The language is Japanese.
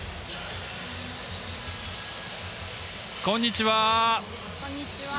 こんにちは。